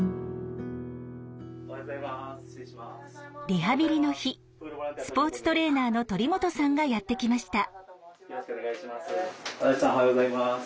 リハビリの日スポーツトレーナーの鳥本さんがやって来ました。